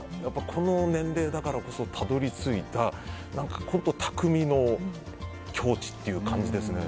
この年齢だからこそたどり着いた本当、匠の境地という感じですね。